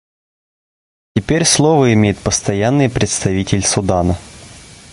Теперь слово имеет Постоянный представитель Судана.